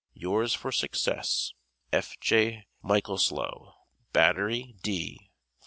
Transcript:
Yours for success. F. J. Michaslow, Battery "D," Ft.